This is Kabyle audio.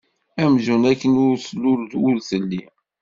Amzun akken ur d-tlul ur telli.